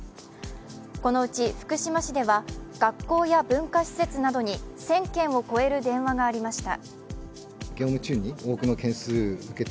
このうち福島市では学校や文化施設などに１０００件を超える電話がありました。